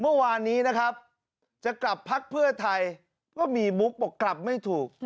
เมื่อวานนี้นะครับจะกลับพักเพื่อไทยก็มีมุกบอกกลับไม่ถูก